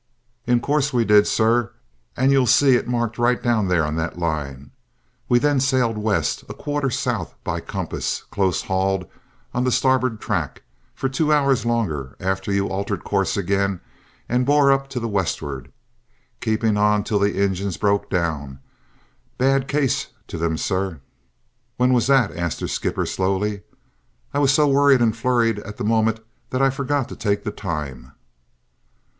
"In course we did, sor, an' you'll say it marked roight down there on that line! We thin sailed west, a quarter south by compass, close hauled on the starboard track, for two hours longer after you altered course ag'in an' bore up to the west'ard, keeping on till the ingines bhroke down, bad cess to 'em!" "When was that?" asked the skipper slowly. "I was so worried and flurried at the moment that I forgot to take the time."